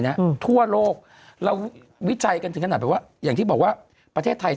ทั่วโลกเราวิจัยกันถึงขนาดแบบว่าอย่างที่บอกว่าประเทศไทย